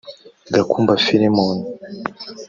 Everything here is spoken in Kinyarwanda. Gakumba Philemon